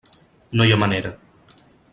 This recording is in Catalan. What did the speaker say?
No hi ha manera.